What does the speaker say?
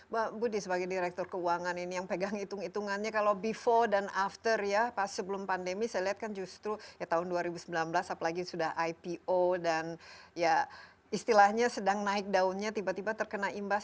pak budi sebagai direktur keuangan ini yang pegang hitung hitungannya kalau before dan after ya pas sebelum pandemi saya lihat kan justru tahun dua ribu sembilan belas apalagi sudah ipo dan ya istilahnya sedang naik daunnya tiba tiba terkena imbas